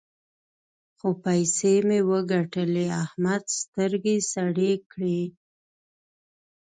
څو پيسې مې وګټلې؛ احمد سترګې سرې کړې.